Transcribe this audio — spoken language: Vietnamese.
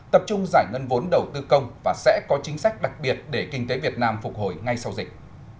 tập trung giải ngân vốn đầu tư công và sẽ có chính sách đặc biệt để kinh tế việt nam phục hồi ngay sau dịch